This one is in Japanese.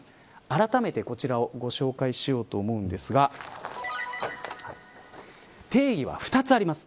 あらためてこちらをご紹介しようと思うんですが定義は２つあります。